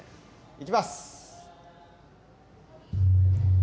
いきます！